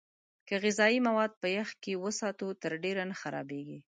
که غذايي مواد په يخ کې وساتو، تر ډېره نه خرابېږي.